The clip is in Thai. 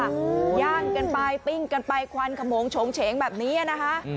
ย่างกันไปปิ้งกันไปควันขมงโฉงเฉงแบบนี้นะคะ